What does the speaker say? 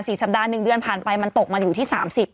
สัปดาห์๑เดือนผ่านไปมันตกมาอยู่ที่๓๐